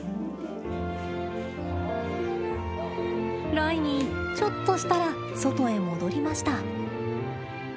ライミーちょっとしたら外へ戻りました。